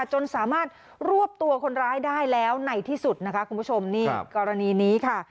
จนสามารถรวบตัวคนร้ายได้แล้วในที่สุดนะคะคุณผู้ชมนี่กรณีนี้ค่ะ